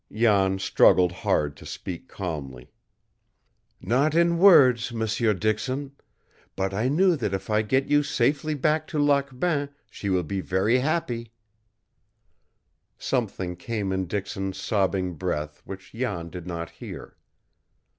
Jan struggled hard to speak calmly. "Not in words, M'seur Dixon. But I know that if I get you safely back to Lac Bain she will be very happy." Something came in Dixon's sobbing breath which Jan did not hear.